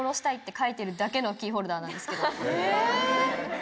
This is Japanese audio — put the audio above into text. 書いてるだけのキーホルダーです。